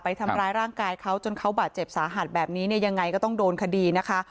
ทำร้ายร่างกายเขาจนเขาบาดเจ็บสาหัสแบบนี้เนี่ยยังไงก็ต้องโดนคดีนะคะ